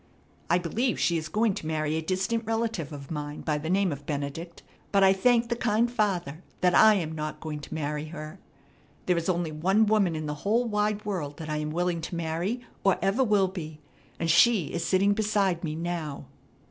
I believe she is going to marry a distant relative of mine by the name of Benedict, but I thank the kind Father that I am not going to marry her. There is only one woman in the whole wide world that I am willing to marry, or ever will be; and she is sitting beside me now."